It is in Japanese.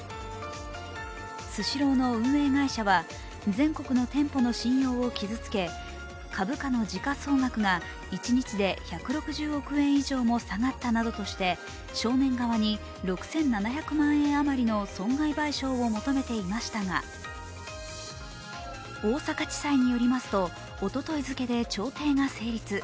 スシローの運営会社は全国の店舗の信用を傷つけ、株価の時価総額が一日で１６０億円以上も下がったなどとして少年側に６７００万円あまりの損害賠償を求めておりましたが大阪地裁によりますと、おととい付で調停が成立。